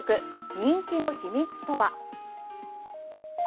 人気の秘密とは。